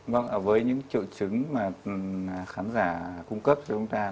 vâng với những triệu chứng mà khán giả cung cấp cho chúng ta